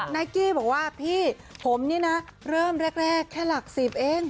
นายกกี้บอกว่าพี่ผมนี่นะเริ่มแรกแค่หลัก๑๐เอง